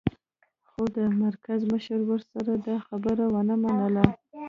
خو د مرکز مشر ورسره دا خبره و نه منله